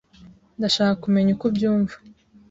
Ndashaka kumenya uko ubyumva.